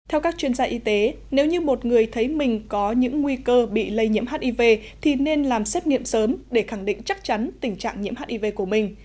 theo các chuyên gia y tế nếu như một người thấy mình có những nguy cơ bị lây nhiễm hiv thì nên làm xét nghiệm sớm để khẳng định chắc chắn tình trạng nhiễm hiv của mình